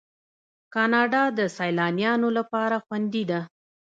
کاناډا د سیلانیانو لپاره خوندي ده.